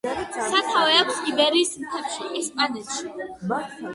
სათავე აქვს იბერიის მთებში, ესპანეთში.